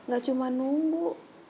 gak cuma nunggu